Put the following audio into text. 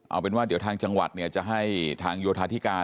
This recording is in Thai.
เอาเป็นว่าเดี๋ยวทางจังหวัดเนี่ยจะให้ทางโยธาธิการ